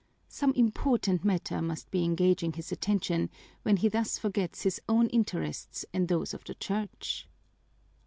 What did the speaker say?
Some important matter must be engaging his attention when he thus forgets his own interests and those of the Church!